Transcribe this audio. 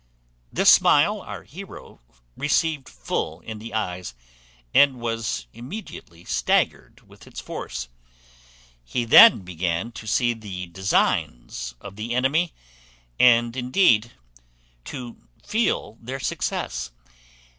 "This smile our heroe received full in his eyes, and was immediately staggered with its force. He then began to see the designs of the enemy, and indeed to feel their success.